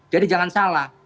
jadi jangan salah